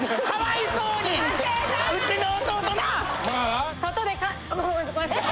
うちの弟な！